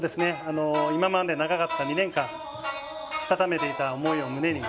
今まで長かった２年間したためていた思いを胸に